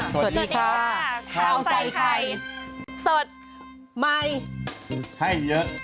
สวัสดีค่ะข้าวใส่ไข่สดใหม่ให้เยอะ